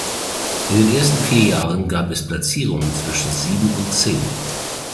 In den ersten vier Jahren gab es Platzierungen zwischen sieben und zehn.